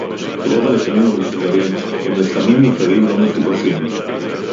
רוב הלחמים המוחזרים הם לחמים יקרים לא מפוקחים